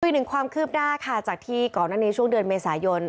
อีกหนึ่งความคืบหน้าค่ะจากที่ก่อนหน้านี้ช่วงเดือนเมษายน